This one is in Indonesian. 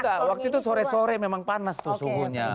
enggak waktu itu sore sore memang panas tuh suhunya